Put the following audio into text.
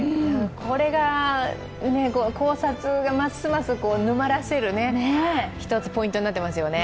これが考察がますます沼らせる、一つポイントになっていますよね。